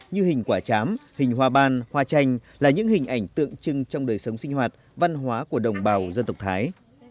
như hình quả chám hình hoa ban hoa tranh là những hình ảnh tượng trưng trong đời sống sinh hoạt văn hóa của đồng bào dân tộc thái